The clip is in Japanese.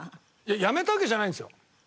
やめたわけじゃないんですよ。